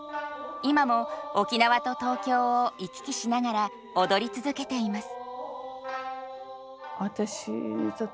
今も沖縄と東京を行き来しながら踊り続けています。